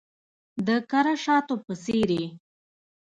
د کره شاتو په څیرې